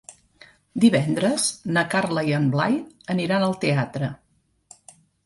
Divendres na Carla i en Blai aniran al teatre.